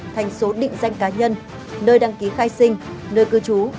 thành số định danh cá nhân nơi đăng ký khai sinh nơi cư trú